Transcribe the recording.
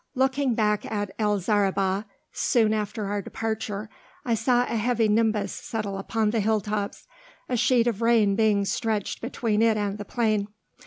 Looking back at El Zaribah, soon after our departure, I saw a heavy nimbus settle upon the hilltops, a sheet of rain being stretched between it and the plain.